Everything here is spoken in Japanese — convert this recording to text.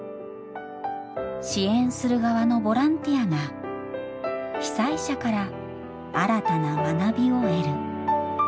支援する側のボランティアが被災者から新たな学びを得る。